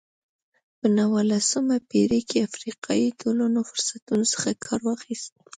په نولسمه پېړۍ کې افریقایي ټولنو فرصتونو څخه کار واخیست.